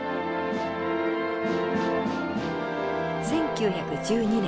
１９１２年。